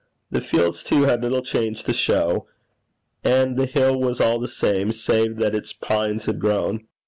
The fields, too, had little change to show; and the hill was all the same, save that its pines had grown.